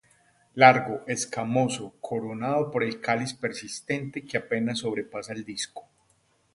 Largo, escamoso, coronado por el cáliz persistente, que apenas sobrepasa el disco.